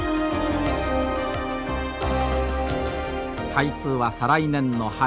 開通は再来年の春。